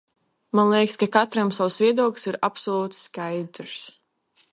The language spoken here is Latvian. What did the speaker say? Man liekas, ka katram savs viedoklis ir absolūti skaidrs.